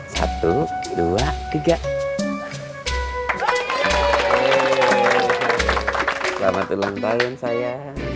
selamat ulang tahun saya